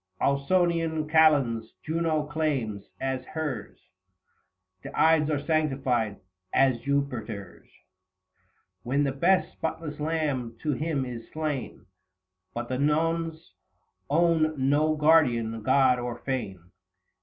Ausonian Kalends Juno claims as hers: The Ides are sanctified as Jupiter's, 60 When the best spotless lamb to him is slain : But the Nones own no guardian god or fane.